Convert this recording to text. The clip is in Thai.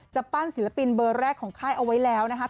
ปั้นศิลปินเบอร์แรกของค่ายเอาไว้แล้วนะคะ